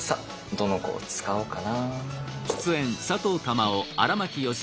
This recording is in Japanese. どの子を使おうかな。